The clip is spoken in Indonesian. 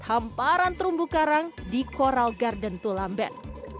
hamparan terumbu karam di koral garden tulam ben